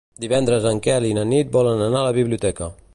Divendres en Quel i na Nit volen anar a la biblioteca.